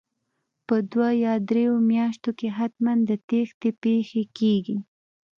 په دوو یا درو میاشتو کې حتمن د تېښتې پېښې کیږي